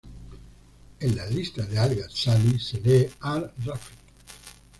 En la lista de al-Gazâli se lee: ar-Râfi‘.